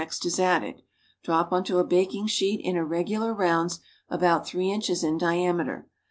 xt is added.; drop onto a baking sheet in irregular rounds about three inches in diameter.